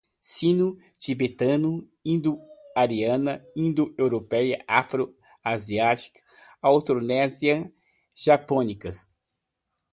Sino-tibetano, indo-ariana, indo-europeia, afro-asiática, austronésia, japônica